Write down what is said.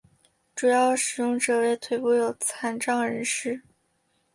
主要使用者为腿部有残障人士。